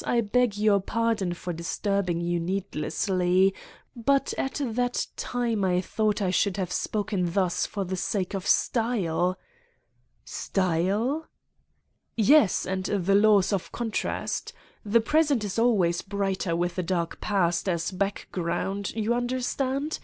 I beg your pardon for dis turbing you needlessly, but at that time I thought I should have spoken thus for the sake of style ..." "Style?" "Yes, and the laws of contrast. The present is always brighter with a dark past as a background ... you understand?